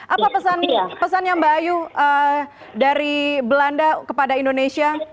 apa pesan yang mbak ayu dari belanda kepada indonesia